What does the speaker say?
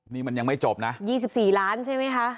นี่มันยังไม่จบนะยี่สิบสี่ล้านใช่ไหมคะ